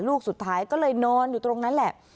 ลูกสุดท้ายก็เลยนอนอยู่ตรงนั้นแหละ